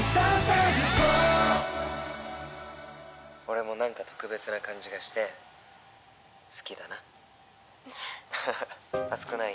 俺も何か特別な感じがして好きだなハハハ熱くない？